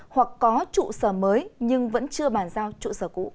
hoặc có trụ sở mới nhưng vẫn chưa bàn giao trụ sở cũ